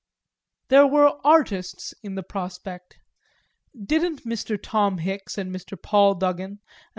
There were "artists" in the prospect didn't Mr. Tom Hicks and Mr. Paul Duggan and Mr. C.